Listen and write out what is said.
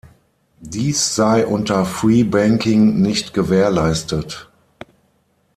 Dies sei unter Free Banking nicht gewährleistet.